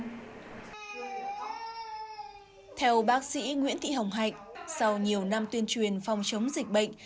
theo bác sĩ nguyễn thị hồng hạnh sau nhiều năm tuyên truyền phòng chống dịch bệnh